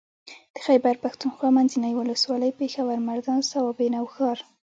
د خېبر پښتونخوا منځنۍ ولسوالۍ پېښور مردان صوابۍ نوښار